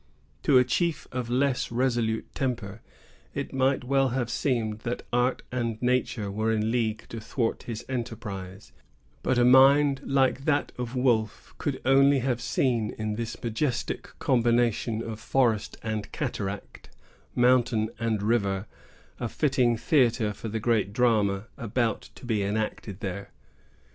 To a chief of less resolute temper, it might well have seemed that art and nature were in league to thwart his enterprise; but a mind like that of Wolfe could only have seen in this majestic combination of forest and cataract, mountain and river, a fitting theatre for the great drama about to be enacted there.